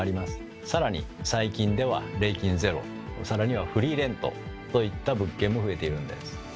更に最近では礼金ゼロ更にはフリーレントといった物件も増えているんです。